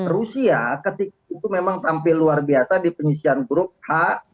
rusia ketika itu memang tampil luar biasa di penyisian grup h